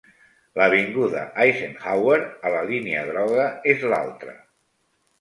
L'Avinguda Eisenhower a la Línia groga és l'altre.